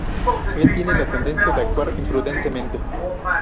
Él tiene la tendencia de actuar imprudentemente.